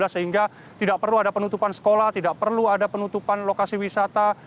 sehingga tidak perlu ada penutupan sekolah tidak perlu ada penutupan lokasi wisata